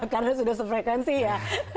karena sudah sefrekuensi ya